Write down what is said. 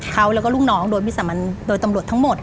เขาแล้วก็ลูกน้องโดยวิสามันโดยตำรวจทั้งหมด